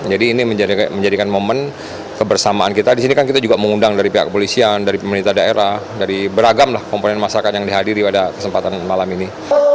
jadi ini menjadikan momen kebersamaan kita disini kan kita juga mengundang dari pihak kepolisian dari pemerintah daerah dari beragam lah komponen masyarakat yang dihadiri pada kesempatan malam ini